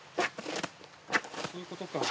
そういうことか。